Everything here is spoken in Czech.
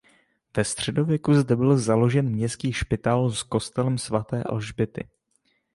Ve středověku zde byl založen městský špitál s kostelem svaté Alžběty.